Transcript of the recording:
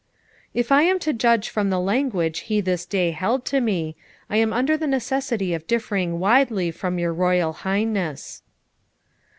'If I am to judge from the language he this day held to me, I am under the necessity of differing widely from your Royal Highness.'